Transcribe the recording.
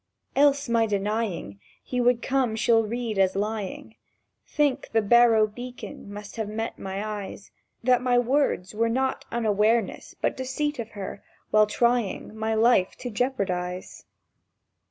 "Else, my denying He would come she'll read as lying— Think the Barrow Beacon must have met my eyes— That my words were not unwareness, but deceit of her, while trying My life to jeopardize.